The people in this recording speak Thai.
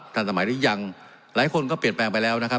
ทันสมัยหรือยังหลายคนก็เปลี่ยนแปลงไปแล้วนะครับ